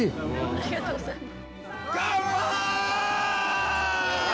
ありがとうございます。